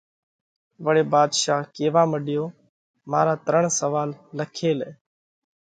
وۯي ڀاڌشا ڪيوا مڏيو: مارا ترڻ سوئال لکي لئہ۔